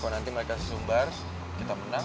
kalau nanti mereka sesumbar kita menang